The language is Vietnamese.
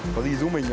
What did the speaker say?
có gì giúp mình nhá